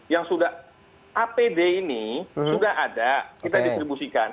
yang sudah apd ini sudah ada kita distribusikan